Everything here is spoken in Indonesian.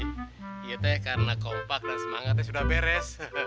kita ya karena kompak dan semangatnya sudah beres